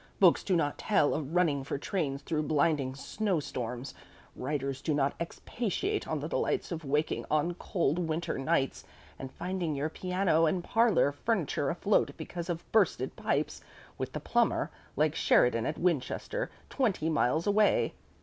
Books do not tell of running for trains through blinding snowstorms; writers do not expatiate on the delights of waking on cold winter nights and finding your piano and parlor furniture afloat because of bursted pipes, with the plumber, like Sheridan at Winchester, twenty miles away.